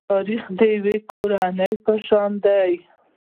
تاریخ د یوې کورنۍ په شان دی.